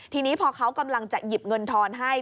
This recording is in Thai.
ทีนี้พอเขากำลังจะหยิบเงินทอนให้